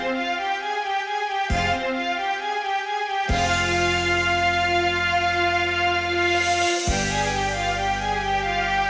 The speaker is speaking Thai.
จะเหลือเหลืออ่ะ